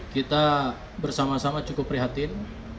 kita bersama sama cukup prihatin